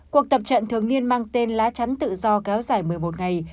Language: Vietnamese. cuộc tập trận thường niên mang tên lá chắn tự do kéo dài một mươi một ngày